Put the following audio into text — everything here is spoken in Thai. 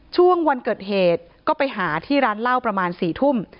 ช่วงวันเกิดเหตุก็ไปหาที่ร้านเหล้าประมาณ๔ทุ่ม